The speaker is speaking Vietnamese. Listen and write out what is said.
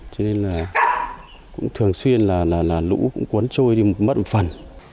cho nên là cũng thường xuyên là lũ cũng cuốn trôi đi mất một phần